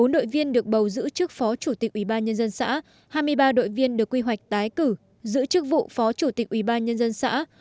một mươi đội viên được bầu giữ chức phó chủ tịch ủy ban nhân dân xã hai mươi ba đội viên được quy hoạch tái cử giữ chức vụ phó chủ tịch ủy ban nhân dân xã